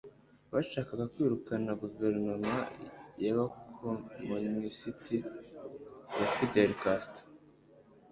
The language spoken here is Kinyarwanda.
bashakaga kwirukana guverinoma y'abakomunisiti ya fidel castro